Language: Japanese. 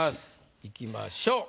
いきましょう。